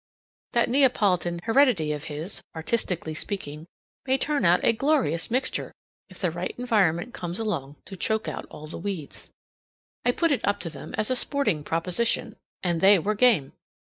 That Neapolitan heredity of his, artistically speaking, may turn out a glorious mixture, if the right environment comes along to choke out all the weeds. I put it up to them as a sporting proposition, and they were game.